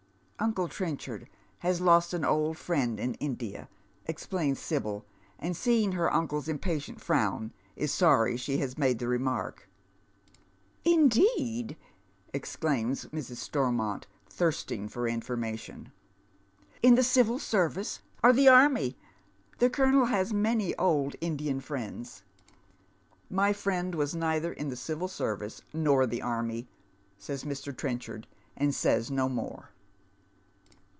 " Uncle Trenchard has lost an old friend in India," explains Sibyl, and seeing her tincle's impatient frown, is sorry she haa Djade the remark. •' indeed I " exclaims Mrs. Stormont, thirsting for information. Tovm and County. 93 " In the civil service or the anny ? The colonel has so many ©Id Indian friends." " Aly friend was neither in the civil service nor the army," says Mr. Trenchard, and says no more.